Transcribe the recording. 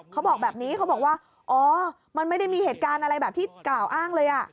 เขาบอกแบบนี้เขาบอกว่าอ๋อมันไม่ได้มีเหตุการณ์อะไรแบบที่กล่าวอ้างเลย